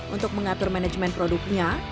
untuk mengatur manajemen produknya